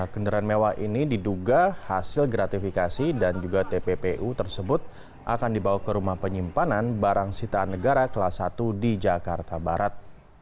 kendaraan mewah ini diduga hasil gratifikasi dan juga tppu tersebut akan dibawa ke rumah penyimpanan barang sitaan negara kelas satu di jakarta barat